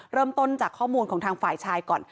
เริ่มต้นจากข้อมูลของทางฝ่ายชายก่อน